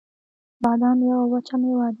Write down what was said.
بادام یوه وچه مېوه ده